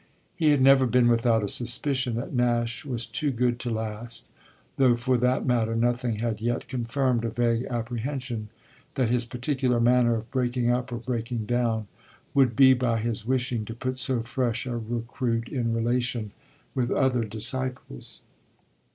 He had never been without a suspicion that Nash was too good to last, though for that matter nothing had yet confirmed a vague apprehension that his particular manner of breaking up or breaking down would be by his wishing to put so fresh a recruit in relation with other disciples.